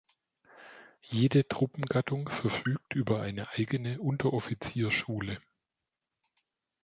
Jede Truppengattung verfügt über eine eigene Unteroffiziersschule.